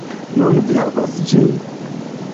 Nun, vi havas ĝin.